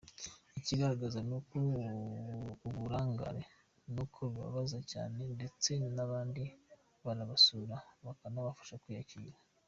Ikigaragaza ko ari uburangare, ni, uko bibababaza cyane, ndetse n’abandi barabasura bakabafasha kwiyakira.